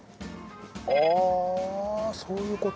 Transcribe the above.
ああそういう事？